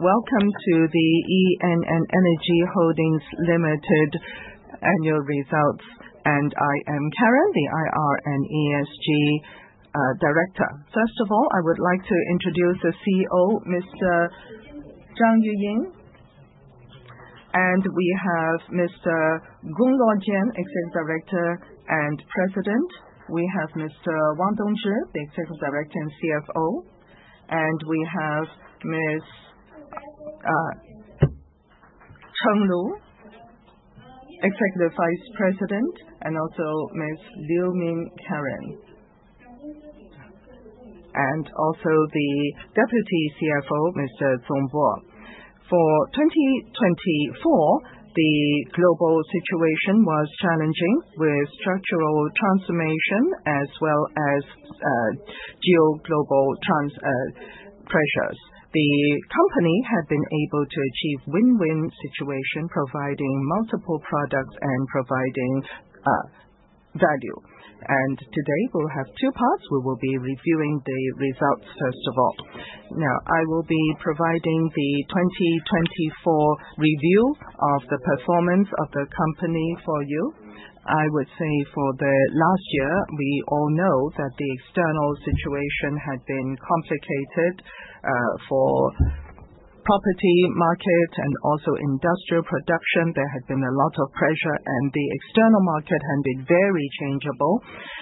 Welcome to the ENN Energy Holdings Limited annual results, and I am Karen, the IR and ESG Director. First of all, I would like to introduce the CEO, Mr. Zhang Yuying. We have Mr. Gong Luojian, Executive Director and President. We have Mr. Wang Dongzhi, the Executive Director and CFO. We have Ms. Cheng Lu, Executive Vice President, and also Ms. Liu Min Karen. Also the Deputy CFO, Mr. Zong Bo. For 2024, the global situation was challenging with structural transformation as well as geo-global pressures. The company had been able to achieve a win-win situation, providing multiple products and providing value. Today we will have two parts. We will be reviewing the results, first of all. Now, I will be providing the 2024 review of the performance of the company for you. I would say for the last year, we all know that the external situation had been complicated for the property market and also industrial production. There had been a lot of pressure, and the external market had been very changeable.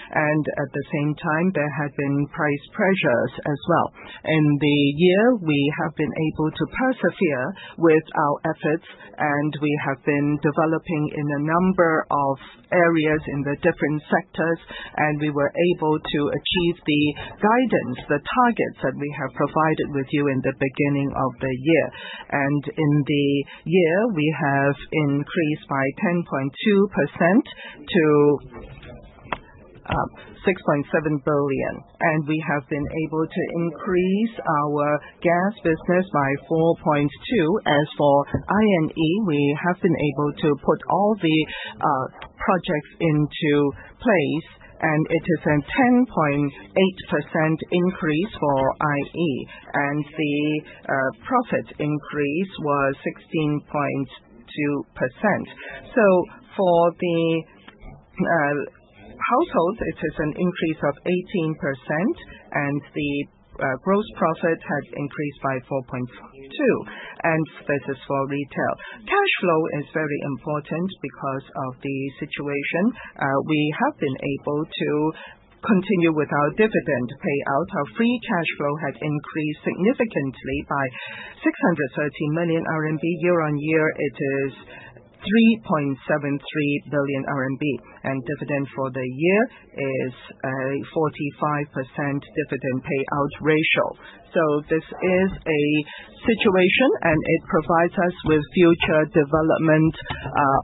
At the same time, there had been price pressures as well. In the year, we have been able to persevere with our efforts, and we have been developing in a number of areas in the different sectors, and we were able to achieve the guidance, the targets that we have provided with you in the beginning of the year. In the year, we have increased by 10.2% to 6.7 billion. We have been able to increase our gas business by 4.2%. As for I&E, we have been able to put all the projects into place, and it is a 10.8% increase for I&E. The profit increase was 16.2%. For the households, it is an increase of 18%, and the gross profit has increased by 4.2%. This is for retail. Cash flow is very important because of the situation. We have been able to continue with our dividend payout. Our free cash flow had increased significantly by 630 million RMB. Year-on-year, it is 3.73 billion RMB, and dividend for the year is a 45% dividend payout ratio. This is a situation, and it provides us with future development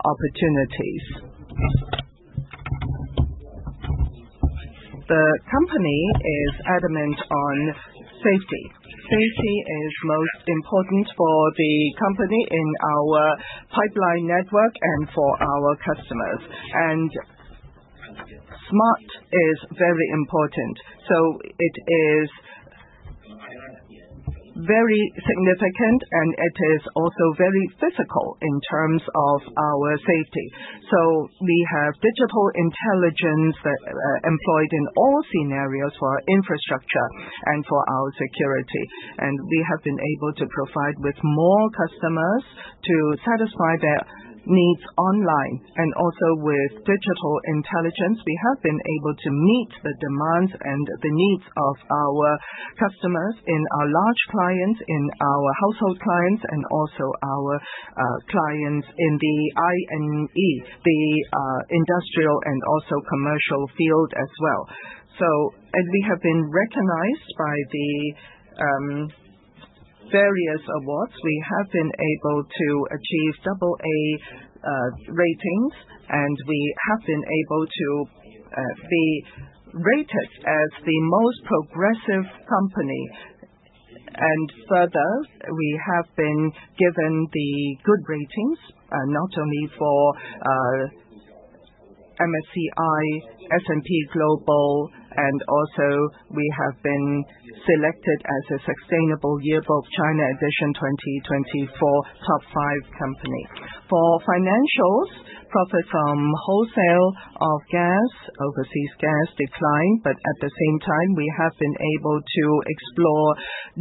opportunities. The company is adamant on safety. Safety is most important for the company in our pipeline network and for our customers. Smart is very important. It is very significant, and it is also very physical in terms of our safety. We have digital intelligence employed in all scenarios for our infrastructure and for our security. We have been able to provide more customers to satisfy their needs online. Also, with digital intelligence, we have been able to meet the demands and the needs of our customers, in our large clients, in our household clients, and our clients in the I&E, the industrial and commercial field as well. As we have been recognized by various awards, we have been able to achieve AA ratings, and we have been able to be rated as the most progressive company. Further, we have been given good ratings, not only for MSCI, S&P Global, and we have been selected as a Sustainable Yearbook (China Edition) 2024 Top 5 company. For financials, profits from wholesale of gas, overseas gas declined, but at the same time, we have been able to explore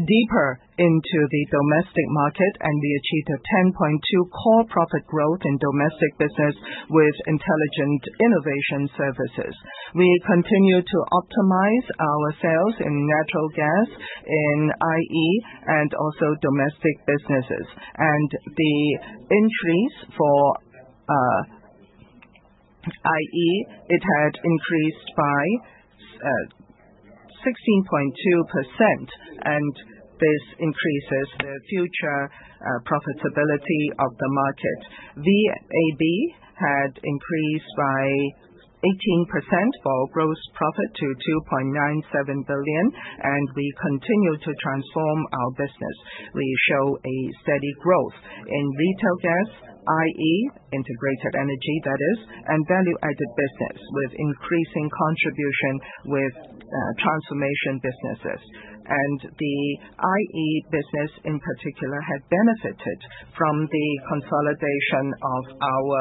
deeper into the domestic market, and we achieved a 10.2% core profit growth in domestic business with intelligent innovation services. We continue to optimize our sales in natural gas, in I&E, and also domestic businesses. The increase for I&E, it had increased by 16.2%, and this increases the future profitability of the market. VAB had increased by 18% for gross profit to 2.97 billion, and we continue to transform our business. We show a steady growth in retail gas, I&E, integrated energy, that is, and value-added business with increasing contribution with transformation businesses. The I&E business in particular had benefited from the consolidation of our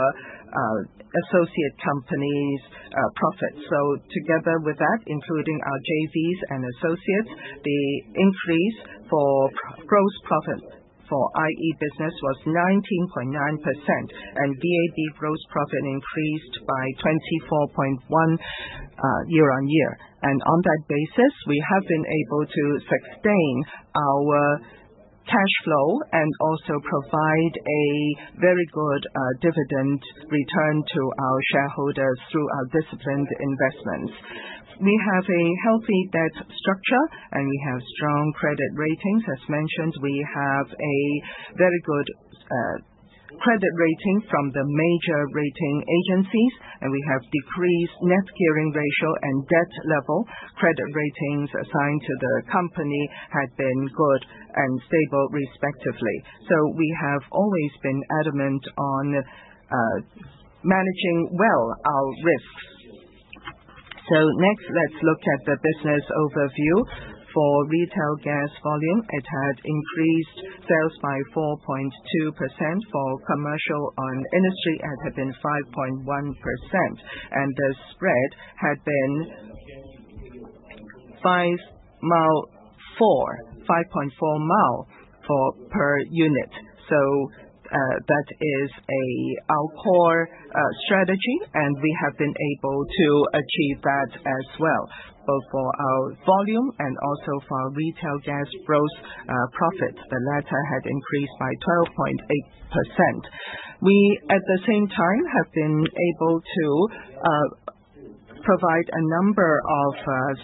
associate companies' profits. Together with that, including our JVs and associates, the increase for gross profit for I&E business was 19.9%, and VAB gross profit increased by 24.1% year-on-year. On that basis, we have been able to sustain our cash flow and also provide a very good dividend return to our shareholders through our disciplined investments. We have a healthy debt structure, and we have strong credit ratings. As mentioned, we have a very good credit rating from the major rating agencies, and we have decreased net gearing ratio and debt level. Credit ratings assigned to the company had been good and stable, respectively. We have always been adamant on managing well our risks. Next, let's look at the business overview. For retail gas volume, it had increased sales by 4.2%. For commercial and industry, it had been 5.1%. The spread had been 5.4% per unit. That is our core strategy, and we have been able to achieve that as well, both for our volume and also for our retail gas gross profit. The latter had increased by 12.8%. We, at the same time, have been able to provide a number of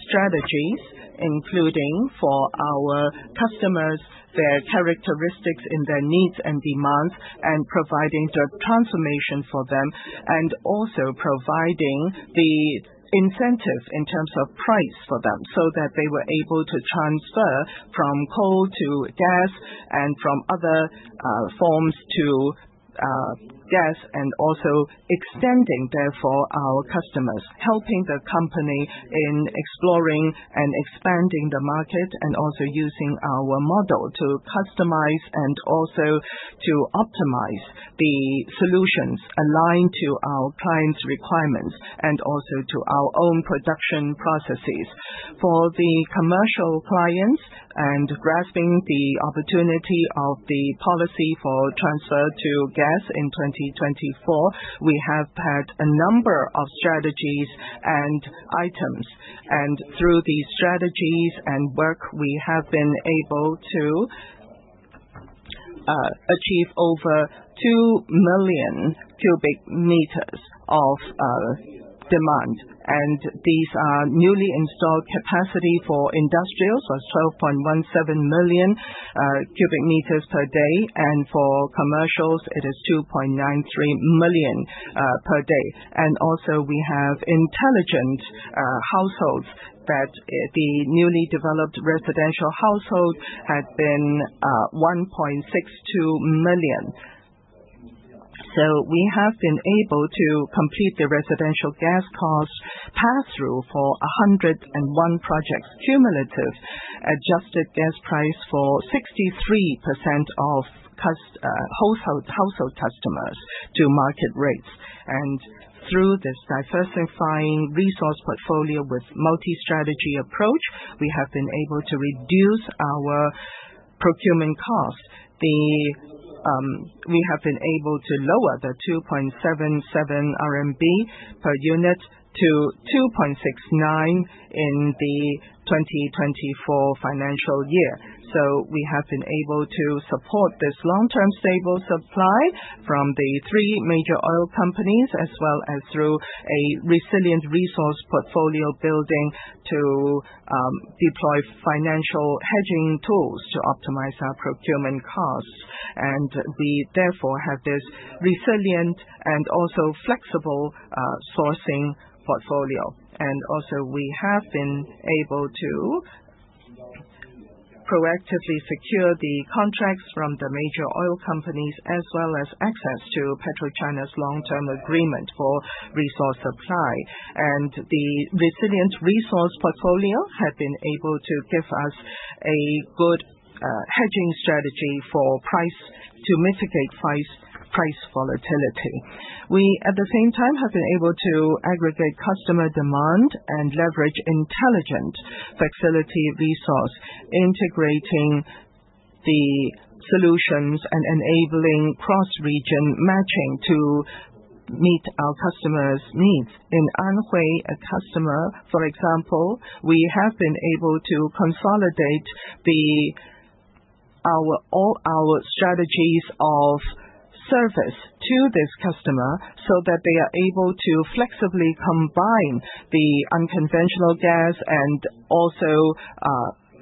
strategies, including for our customers, their characteristics in their needs and demands, and providing the transformation for them, and also providing the incentive in terms of price for them so that they were able to transfer from coal to gas and from other forms to gas, and also extending therefore our customers, helping the company in exploring and expanding the market, and also using our model to customize and also to optimize the solutions aligned to our clients' requirements and also to our own production processes. For the commercial clients and grasping the opportunity of the policy for transfer to gas in 2024, we have had a number of strategies and items. Through these strategies and work, we have been able to achieve over 2 million cubic meters of demand. These are newly installed capacity for industrials was 12.17 million cubic meters per day, and for commercials, it is 2.93 million per day. We also have intelligent households that the newly developed residential household had been 1.62 million. We have been able to complete the residential gas cost pass-through for 101 projects cumulative, adjusted gas price for 63% of household customers to market rates. Through this diversifying resource portfolio with multi-strategy approach, we have been able to reduce our procurement cost. We have been able to lower the 2.77 RMB per unit to 2.69 in the 2024 financial year. We have been able to support this long-term stable supply from the three major oil companies as well as through a resilient resource portfolio building to deploy financial hedging tools to optimize our procurement costs. We therefore have this resilient and also flexible sourcing portfolio. We have been able to proactively secure the contracts from the major oil companies as well as access to PetroChina's long-term agreement for resource supply. The resilient resource portfolio had been able to give us a good hedging strategy for price to mitigate price volatility. We, at the same time, have been able to aggregate customer demand and leverage intelligent flexibility resource, integrating the solutions and enabling cross-region matching to meet our customers' needs. In Anhui, a customer, for example, we have been able to consolidate all our strategies of service to this customer so that they are able to flexibly combine the unconventional gas and also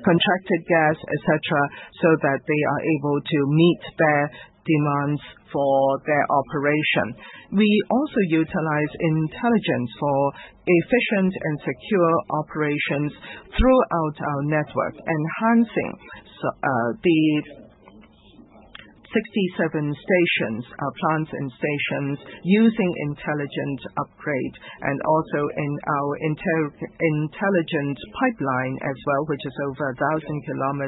contracted gas, etc., so that they are able to meet their demands for their operation. We also utilize intelligence for efficient and secure operations throughout our network, enhancing the 67 stations, our plants and stations, using intelligent upgrade and also in our intelligent pipeline as well, which is over 1,000 km.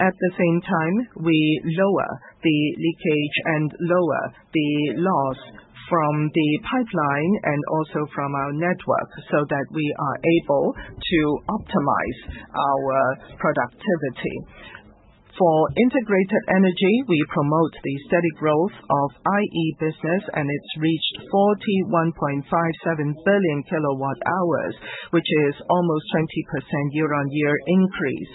At the same time, we lower the leakage and lower the loss from the pipeline and also from our network so that we are able to optimize our productivity. For integrated energy, we promote the steady growth of I&E business, and it's reached 41.57 billion kWh, which is almost 20% year-on-year increase.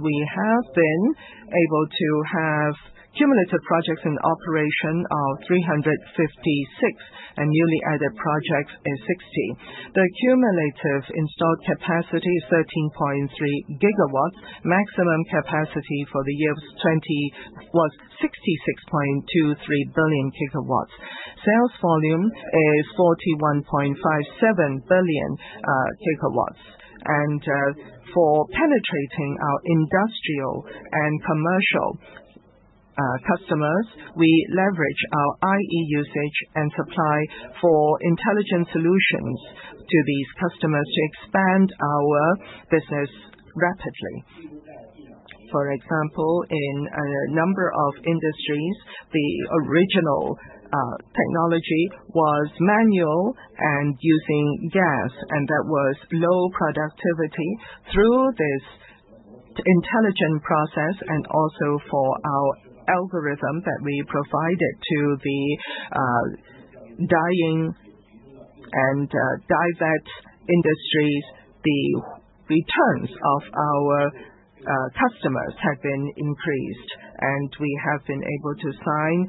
We have been able to have cumulative projects in operation of 356, and newly added projects is 60. The cumulative installed capacity is 13.3 GW. Maximum capacity for the year was 66.23 billion GW. Sales volume is 41.57 billion GW. For penetrating our industrial and commercial customers, we leverage our I&E usage and supply for intelligent solutions to these customers to expand our business rapidly. For example, in a number of industries, the original technology was manual and using gas, and that was low productivity. Through this intelligent process and also for our algorithm that we provided to the dyeing and dye vats industries, the returns of our customers had been increased, and we have been able to sign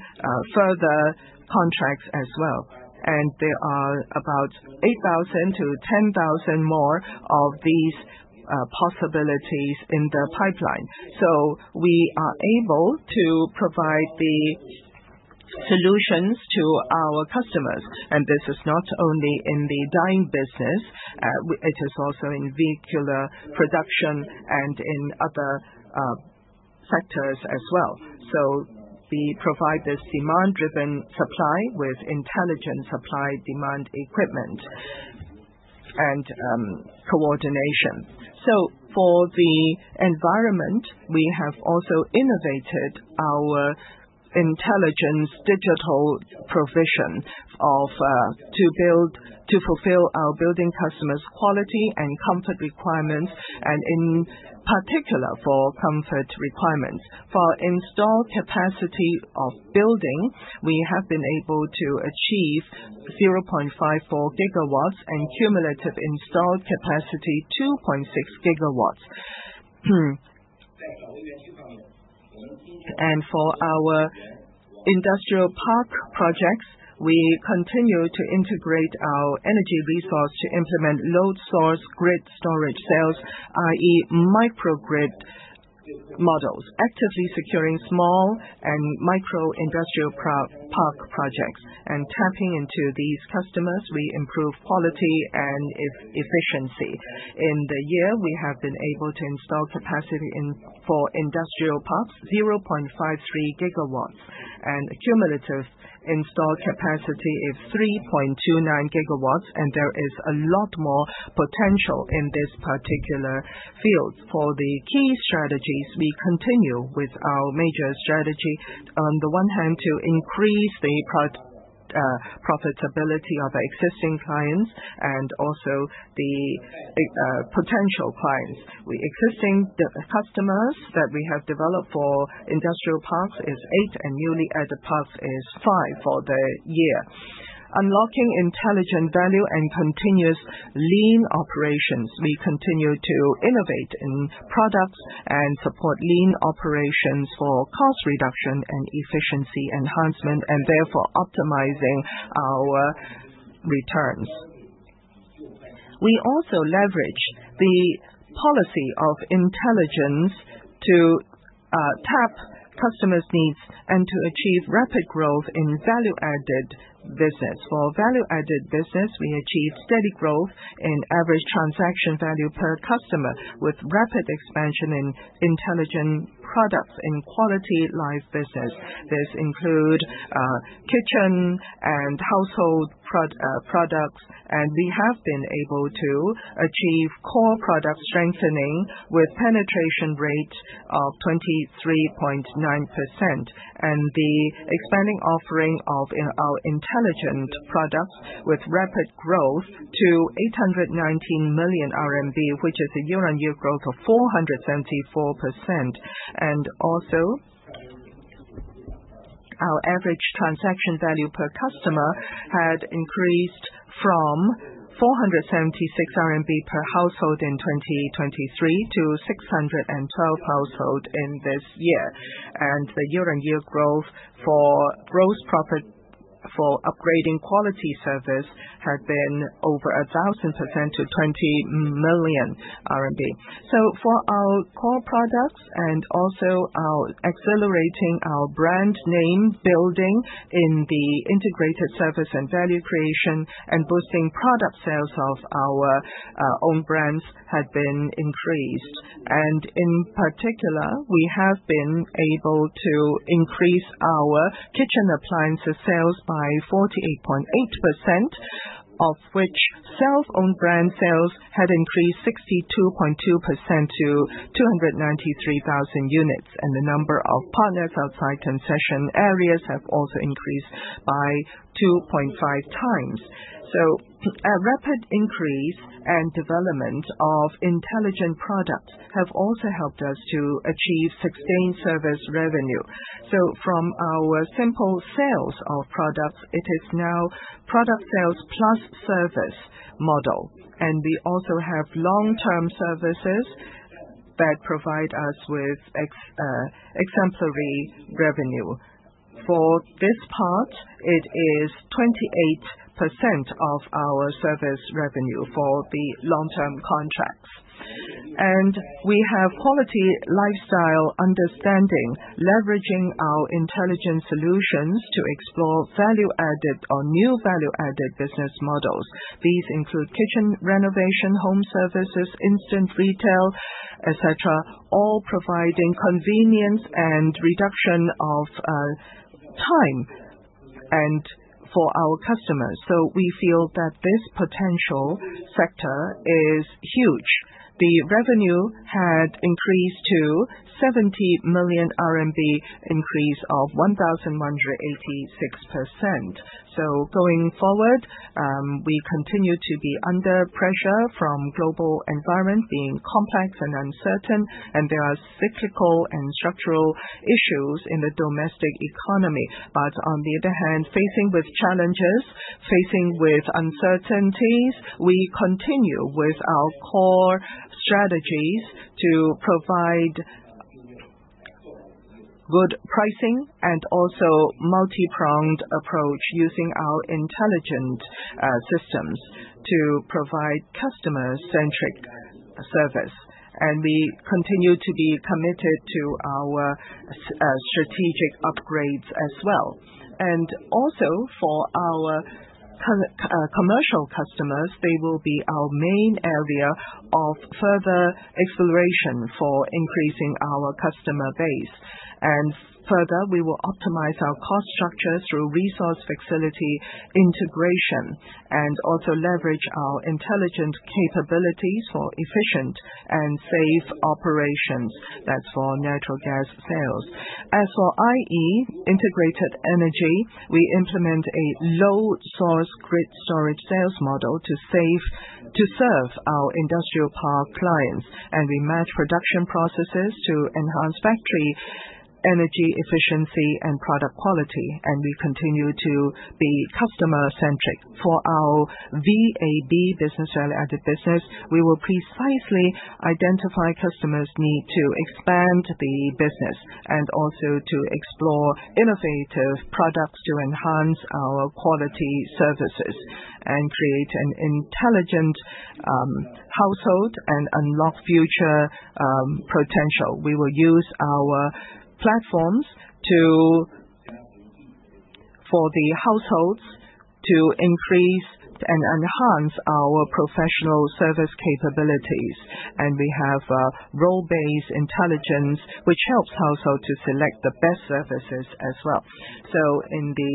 further contracts as well. There are about 8,000-10,000 more of these possibilities in the pipeline. We are able to provide the solutions to our customers. This is not only in the dyeing business; it is also in vehicular production and in other sectors as well. We provide this demand-driven supply with intelligent supply demand equipment and coordination. For the environment, we have also innovated our intelligence digital provision to fulfill our building customers' quality and comfort requirements, and in particular for comfort requirements. For installed capacity of building, we have been able to achieve 0.54 GW and cumulative installed capacity 2.6 GW. For our industrial park projects, we continue to integrate our energy resource to implement l, i.e., microgrid models, actively securing small and micro industrial park projects. Tapping into these customers, we improve quality and efficiency. In the year, we have been able to install capacity for industrial parks, 0.53 GW, and cumulative installed capacity is 3.29 GW, and there is a lot more potential in this particular field. For the key strategies, we continue with our major strategy. On the one hand, to increase the profitability of existing clients and also the potential clients. Existing customers that we have developed for industrial parks is eight, and newly added parks is five for the year. Unlocking intelligent value and continuous lean operations, we continue to innovate in products and support lean operations for cost reduction and efficiency enhancement, and therefore optimizing our returns. We also leverage the policy of intelligence to tap customers' needs and to achieve rapid growth in value-added business. For value-added business, we achieve steady growth in average transaction value per customer with rapid expansion in intelligent products in quality life business. This includes kitchen and household products, and we have been able to achieve core product strengthening with penetration rate of 23.9%, and the expanding offering of our intelligent products with rapid growth to 819 million RMB, which is a year-on-year growth of 474%. Also, our average transaction value per customer had increased from 476 RMB per household in 2023 to 612 per household in this year. The year-on-year growth for gross profit for upgrading quality service had been over 1,000% to 20 million RMB. For our core products and also accelerating our brand name building in the integrated service and value creation and boosting product sales of our own brands had been increased. In particular, we have been able to increase our kitchen appliances sales by 48.8%, of which self-owned brand sales had increased 62.2% to 293,000 units. The number of partners outside concession areas have also increased by 2.5 times. A rapid increase and development of intelligent products have also helped us to achieve sustained service revenue. From our simple sales of products, it is now product sales plus service model. We also have long-term services that provide us with exemplary revenue. For this part, it is 28% of our service revenue for the long-term contracts. We have quality lifestyle understanding, leveraging our intelligent solutions to explore value-added or new value-added business models. These include kitchen renovation, home services, instant retail, etc., all providing convenience and reduction of time for our customers. We feel that this potential sector is huge. The revenue had increased to 70 million RMB, an increase of 1,186%. Going forward, we continue to be under pressure from the global environment being complex and uncertain, and there are cyclical and structural issues in the domestic economy. On the other hand, facing challenges, facing uncertainties, we continue with our core strategies to provide good pricing and also a multi-pronged approach using our intelligent systems to provide customer-centric service. We continue to be committed to our strategic upgrades as well. Also, for our commercial customers, they will be our main area of further exploration for increasing our customer base. Further, we will optimize our cost structure through resource flexibility integration and also leverage our intelligent capabilities for efficient and safe operations. That is for natural gas sales. As for I&E integrated energy, we implement a Load-Source-Grid-Storage sales model to serve our industrial park clients. We match production processes to enhance factory energy efficiency and product quality. We continue to be customer-centric. For our VAB, value-added business, we will precisely identify customers' need to expand the business and also to explore innovative products to enhance our quality services and create an intelligent household and unlock future potential. We will use our platforms for the households to increase and enhance our professional service capabilities. We have role-based intelligence, which helps households to select the best services as well. In the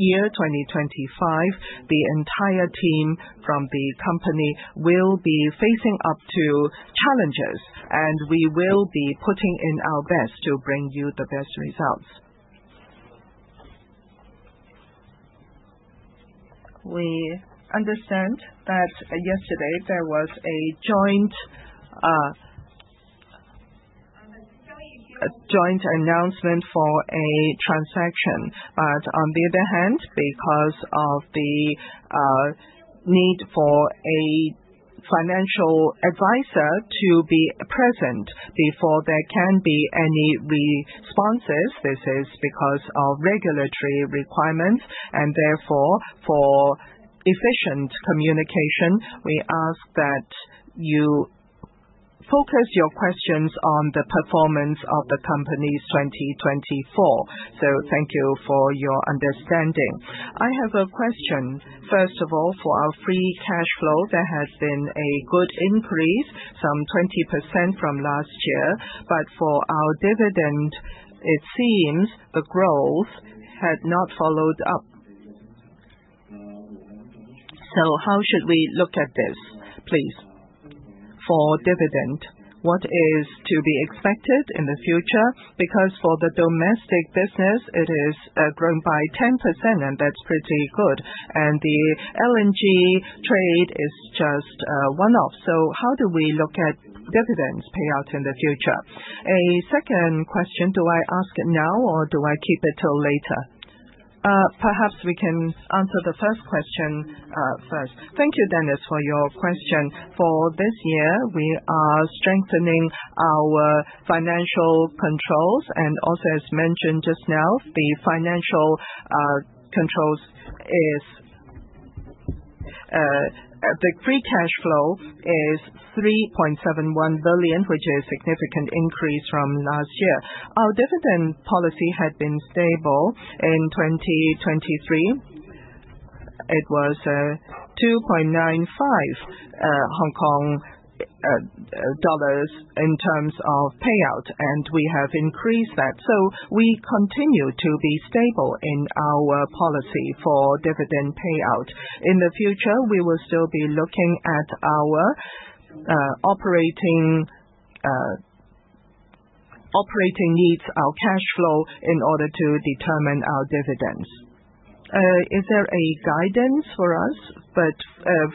year 2025, the entire team from the company will be facing up to challenges, and we will be putting in our best to bring you the best results. We understand that yesterday there was a joint announcement for a transaction. On the other hand, because of the need for a financial advisor to be present before there can be any responses, this is because of regulatory requirements. Therefore, for efficient communication, we ask that you focus your questions on the performance of the company's 2024. Thank you for your understanding. I have a question. First of all, for our free cash flow, there has been a good increase of 20% from last year. For our dividend, it seems the growth had not followed up. How should we look at this, please? For dividend, what is to be expected in the future? For the domestic business, it is growing by 10%, and that's pretty good. The LNG trade is just one-off. How do we look at dividends payout in the future? A second question, do I ask it now or do I keep it till later? Perhaps we can answer the first question first. Thank you, Dennis, for your question. For this year, we are strengthening our financial controls. Also, as mentioned just now, the financial controls is the free cash flow is 3.71 billion, which is a significant increase from last year. Our dividend policy had been stable in 2023. It was 2.95 Hong Kong dollars in terms of payout, and we have increased that. We continue to be stable in our policy for dividend payout. In the future, we will still be looking at our operating needs, our cash flow in order to determine our dividends. Is there a guidance for us?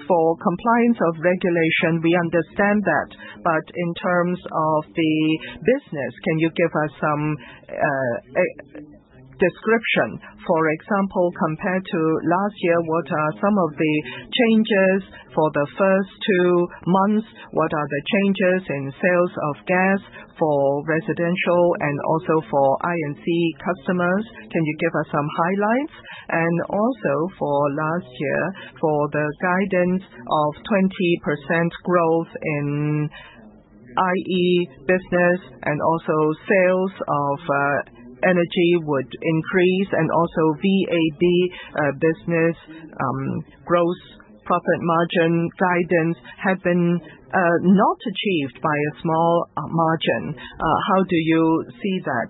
For compliance of regulation, we understand that. In terms of the business, can you give us some description? For example, compared to last year, what are some of the changes for the first two months? What are the changes in sales of gas for residential and also for I&C customers? Can you give us some highlights? Also for last year, for the guidance of 20% growth in I&E business and also sales of energy would increase, and also VAB business gross profit margin guidance had been not achieved by a small margin. How do you see that?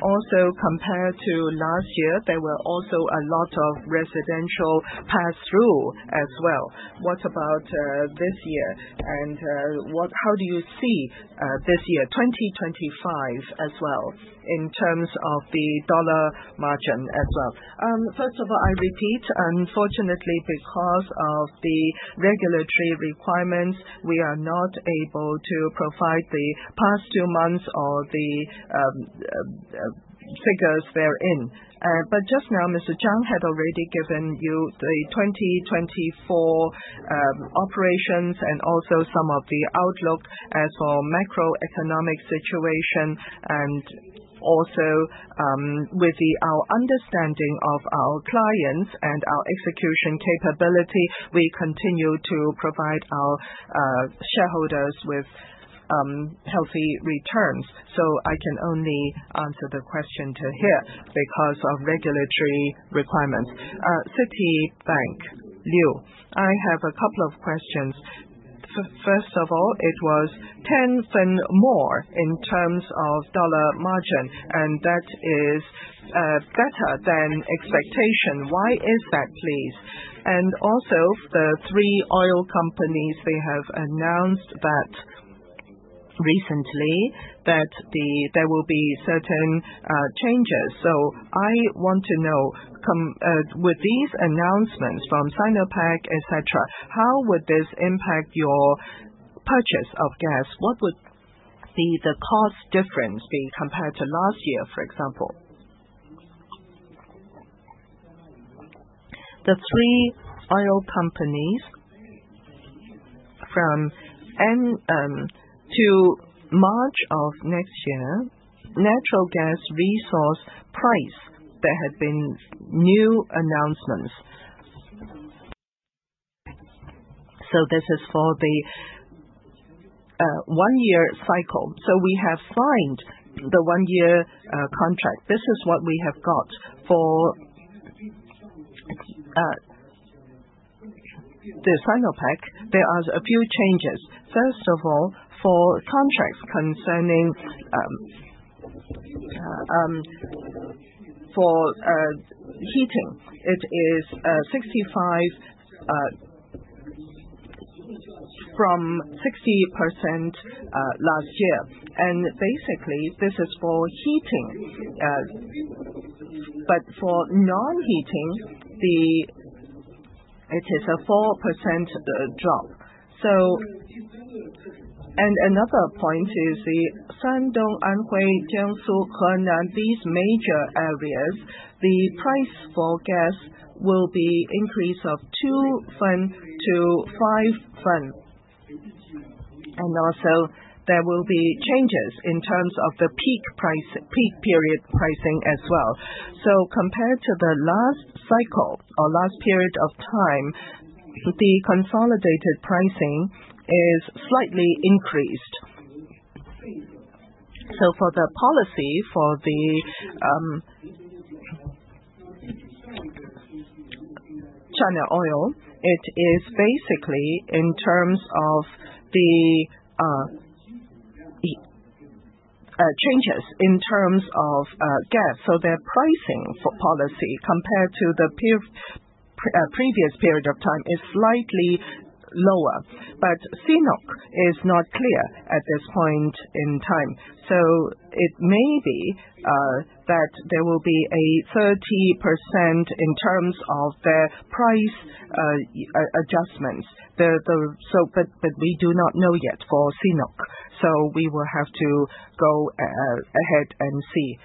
Compared to last year, there were also a lot of residential pass-through as well. What about this year? How do you see this year, 2025, as well in terms of the dollar margin as well? First of all, I repeat, unfortunately, because of the regulatory requirements, we are not able to provide the past two months or the figures therein. But just now, Mr. Zhang had already given you the 2024 operations and also some of the outlook as for macroeconomic situation. Also, with our understanding of our clients and our execution capability, we continue to provide our shareholders with healthy returns. I can only answer the question to here because of regulatory requirements. Citibank, Liu, I have a couple of questions. First of all, it was 10% more in terms of dollar margin, and that is better than expectation. Why is that, please? Also, the three oil companies, they have announced that recently that there will be certain changes. I want to know, with these announcements from Sinopec, etc., how would this impact your purchase of gas? What would the cost difference be compared to last year, for example? The three oil companies from March of next year, natural gas resource price that had been new announcements. This is for the one-year cycle. We have signed the one-year contract. This is what we have got for Sinopec. There are a few changes. First of all, for contracts concerning heating, it is 65% from 60% last year. Basically, this is for heating. For non-heating, it is a 4% drop. Another point is Shandong, Anhui, Jiangsu, Henan, these major areas, the price for gas will be increased of 2 fen to 5 fen. Also, there will be changes in terms of the peak period pricing as well. Compared to the last cycle or last period of time, the consolidated pricing is slightly increased. For the policy for China oil, it is basically in terms of the changes in terms of gas. Their pricing policy compared to the previous period of time is slightly lower. Sinopec is not clear at this point in time. It may be that there will be a 30% in terms of their price adjustments. We do not know yet for Sinopec. We will have to go ahead and see.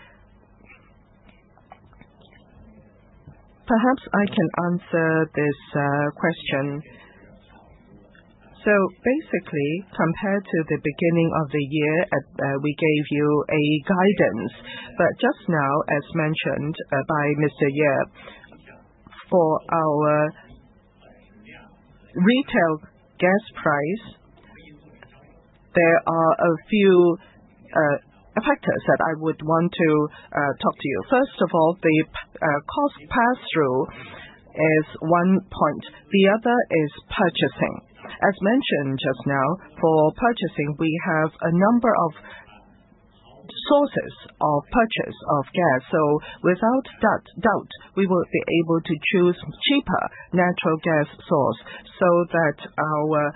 Perhaps I can answer this question. Basically, compared to the beginning of the year, we gave you a guidance. Just now, as mentioned by Mr. Zhang, for our retail gas price, there are a few factors that I would want to talk to you. First of all, the cost pass-through is one point. The other is purchasing. As mentioned just now, for purchasing, we have a number of sources of purchase of gas. Without doubt, we will be able to choose cheaper natural gas source so that our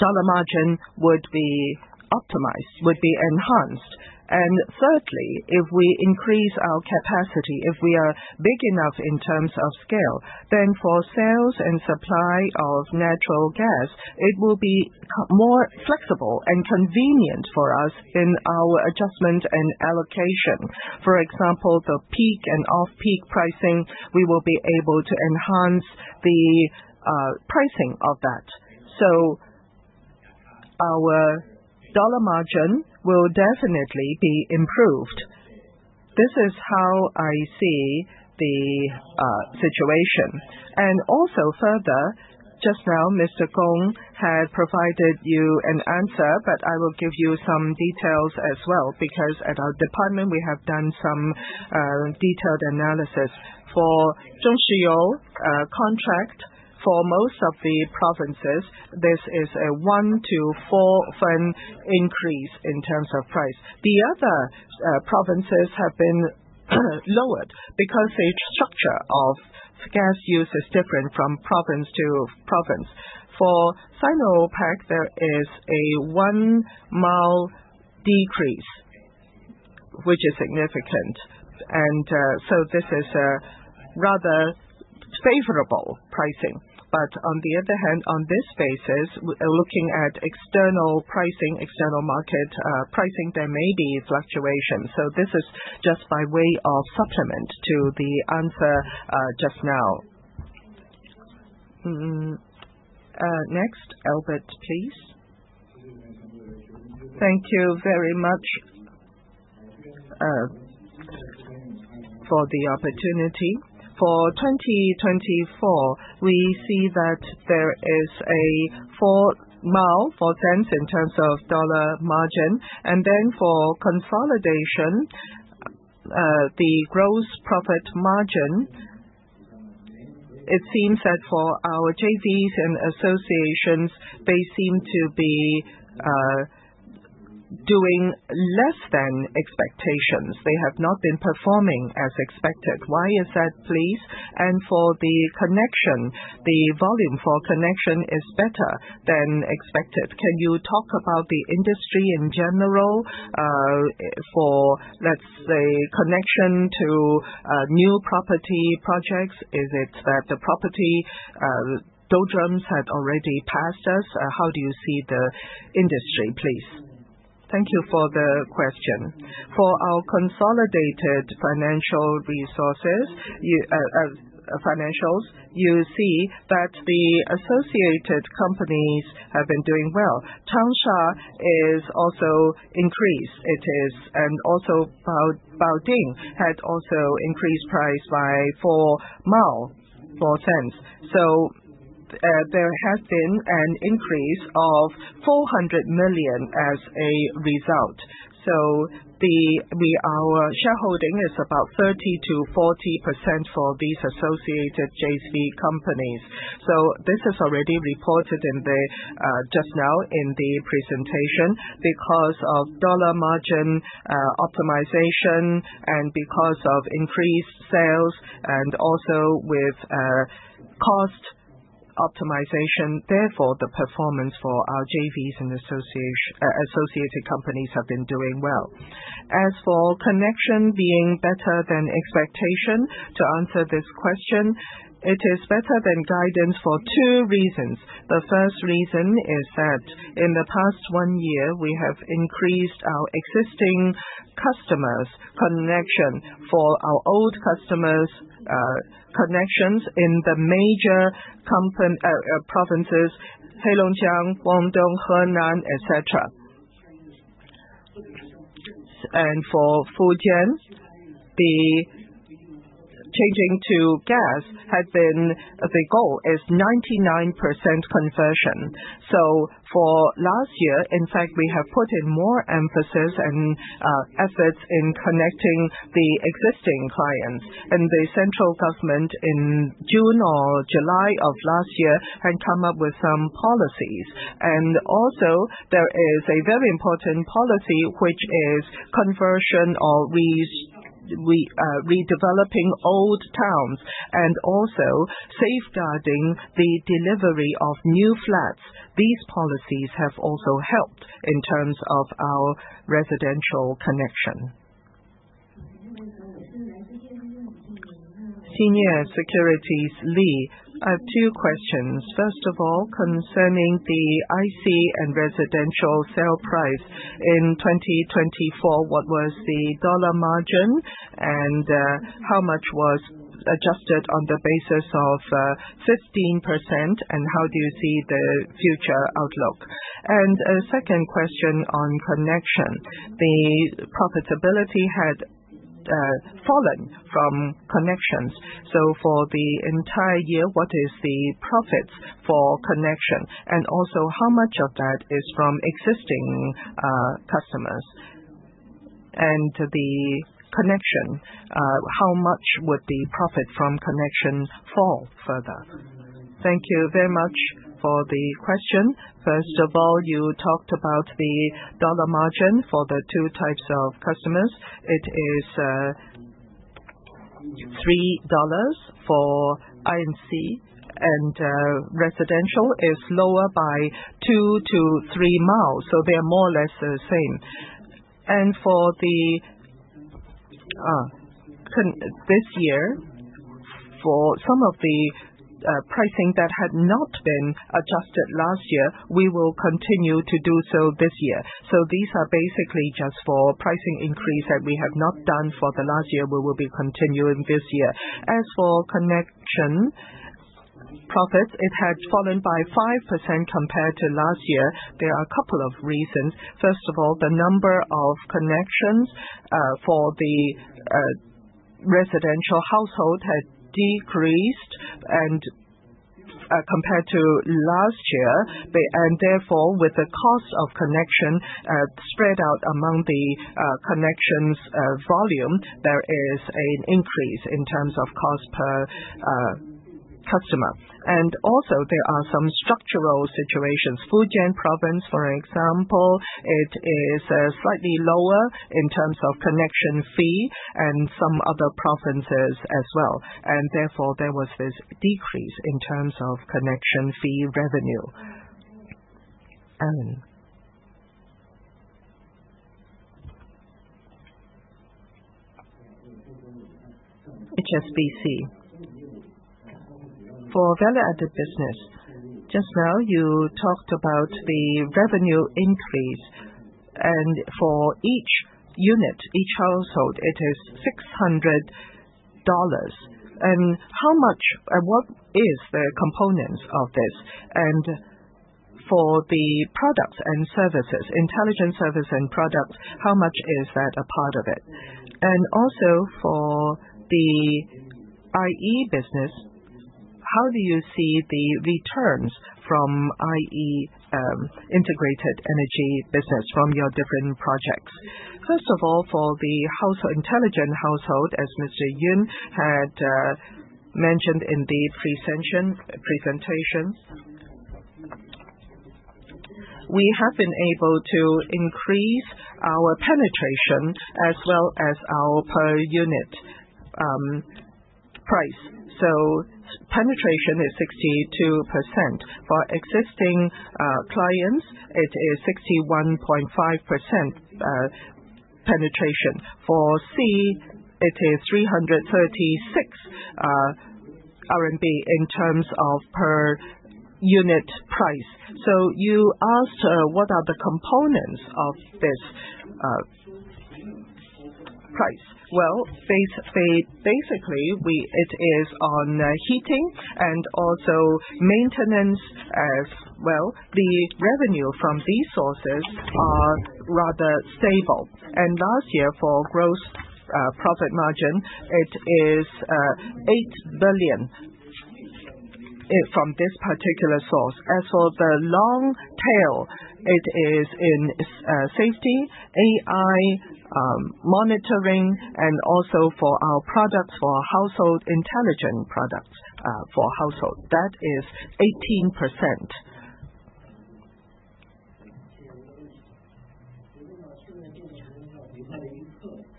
dollar margin would be optimized, would be enhanced. Thirdly, if we increase our capacity, if we are big enough in terms of scale, then for sales and supply of natural gas, it will be more flexible and convenient for us in our adjustment and allocation. For example, the peak and off-peak pricing, we will be able to enhance the pricing of that. Our dollar margin will definitely be improved. This is how I see the situation. Also, further, just now, Mr. Gong had provided you an answer, but I will give you some details as well because at our department, we have done some detailed analysis. For XinAo contract, for most of the provinces, this is a 1 fen-4 fen increase in terms of price. The other provinces have been lowered because the structure of gas use is different from province to province. For Sinopec, there is a one-fen decrease, which is significant. This is a rather favorable pricing. On this basis, looking at external pricing, external market pricing, there may be fluctuations. This is just by way of supplement to the answer just now. Next, Albert, please. Thank you very much for the opportunity. For 2024, we see that there is a 4 mile, $0.04 in terms of dollar margin. For consolidation, the gross profit margin, it seems that for our JVs and associations, they seem to be doing less than expectations. They have not been performing as expected. Why is that, please? For the connection, the volume for connection is better than expected. Can you talk about the industry in general for, let's say, connection to new property projects? Is it that the property doldrums had already passed us? How do you see the industry, please? Thank you for the question. For our consolidated financial resources, you see that the associated companies have been doing well. Tangshan has also increased. Baoding had also increased price by $0.04. There has been an increase of 400 million as a result. Our shareholding is about 30%-40% for these associated JV companies. This is already reported just now in the presentation because of dollar margin optimization and because of increased sales and also with cost optimization. Therefore, the performance for our JVs and associated companies have been doing well. As for connection being better than expectation, to answer this question, it is better than guidance for two reasons. The first reason is that in the past one year, we have increased our existing customers' connection for our old customers' connections in the major provinces, Heilongjiang, Guangdong, Henan, etc. For Fujian, the changing to gas had been the goal is 99% conversion. For last year, in fact, we have put in more emphasis and efforts in connecting the existing clients. The central government in June or July of last year had come up with some policies. Also, there is a very important policy, which is conversion or redeveloping old towns and also safeguarding the delivery of new flats. These policies have also helped in terms of our residential connection. Senior Securities Lee, I have two questions. First of all, concerning the IC and residential sale price in 2024, what was the dollar margin and how much was adjusted on the basis of 15% and how do you see the future outlook? A second question on connection. The profitability had fallen from connections. For the entire year, what is the profits for connection? Also, how much of that is from existing customers? The connection, how much would the profit from connection fall further? Thank you very much for the question. First of all, you talked about the dollar margin for the two types of customers. It is $3 for I&C and residential is lower by 2 miles-3 miles. They are more or less the same. For this year, for some of the pricing that had not been adjusted last year, we will continue to do so this year. These are basically just for pricing increase that we have not done for last year. We will be continuing this year. As for connection profits, it had fallen by 5% compared to last year. There are a couple of reasons. First of all, the number of connections for the residential household had decreased compared to last year. Therefore, with the cost of connection spread out among the connections volume, there is an increase in terms of cost per customer. Also, there are some structural situations. Fujian Province, for example, is slightly lower in terms of connection fee and some other provinces as well. Therefore, there was this decrease in terms of connection fee revenue. HSBC. For Value Added Business, just now you talked about the revenue increase. For each unit, each household, it is $600. What is the components of this? For the products and services, intelligence service and products, how much is that a part of it? Also, for the IE business, how do you see the returns from IE integrated energy business from your different projects? First of all, for the intelligent household, as Mr. Yuying had mentioned in the presentation, we have been able to increase our penetration as well as our per unit price. Penetration is 62%. For existing clients, it is 61.5% penetration. For C, it is 336 RMB in terms of per unit price. You asked what are the components of this price. Basically, it is on heating and also maintenance as well. The revenue from these sources are rather stable. Last year, for gross profit margin, it is 8 billion from this particular source. As for the long tail, it is in safety, AI monitoring, and also for our products, for household intelligent products for household. That is 18%.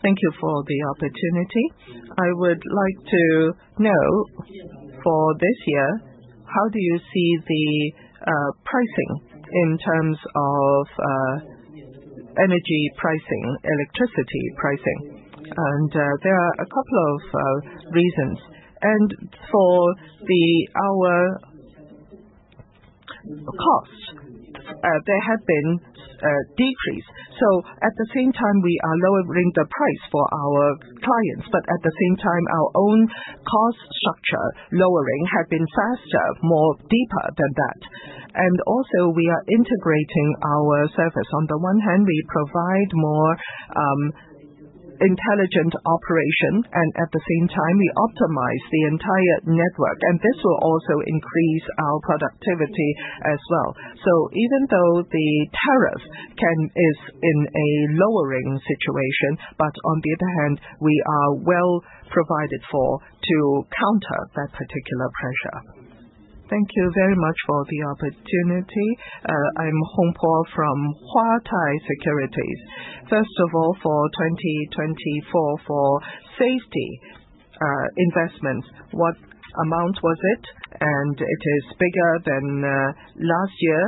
Thank you for the opportunity. I would like to know for this year, how do you see the pricing in terms of energy pricing, electricity pricing? There are a couple of reasons. For our costs, there have been decreases. At the same time, we are lowering the price for our clients, but our own cost structure lowering had been faster, more deeper than that. We are integrating our service. On the one hand, we provide more intelligent operation, and at the same time, we optimize the entire network. This will also increase our productivity as well. Even though the tariff is in a lowering situation, on the other hand, we are well provided for to counter that particular pressure. Thank you very much for the opportunity. I'm Hong Po from Huatai Securities. First of all, for 2024, for safety investments, what amount was it? It is bigger than last year,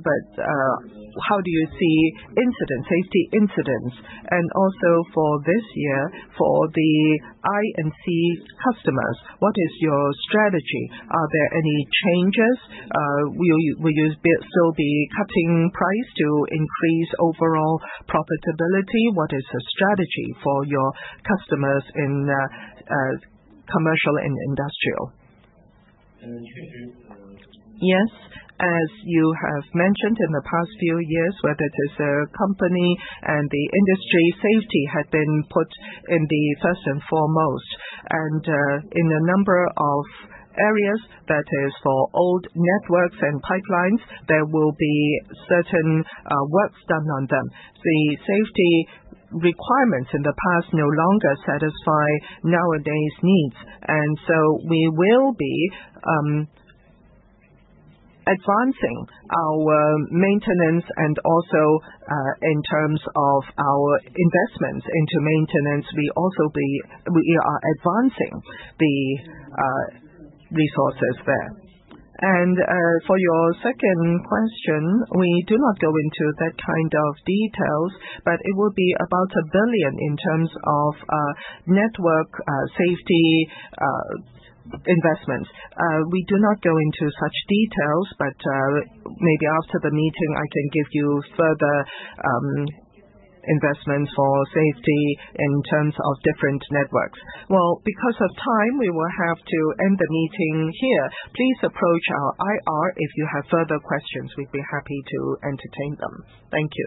but how do you see safety incidents? Also for this year, for the I&C customers, what is your strategy? Are there any changes? Will you still be cutting price to increase overall profitability? What is the strategy for your customers in commercial and industrial? Yes. As you have mentioned in the past few years, whether it is a company and the industry, safety had been put in the first and foremost. In a number of areas, that is for old networks and pipelines, there will be certain works done on them. The safety requirements in the past no longer satisfy nowadays' needs. We will be advancing our maintenance and also in terms of our investments into maintenance, we are advancing the resources there. For your second question, we do not go into that kind of details, but it will be about 1 billion in terms of network safety investments. We do not go into such details, but maybe after the meeting, I can give you further investments for safety in terms of different networks. Because of time, we will have to end the meeting here. Please approach our IR if you have further questions. We'd be happy to entertain them. Thank you.